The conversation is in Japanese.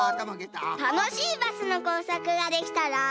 たのしいバスのこうさくができたら。